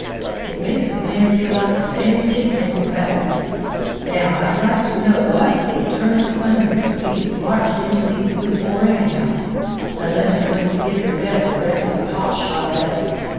It makes a man feel like a damn' kitten in a bag. Now, I'd like to know what the eternal thunders we was marched into these woods for anyhow, unless it was to give the rebs a regular pot shot at us.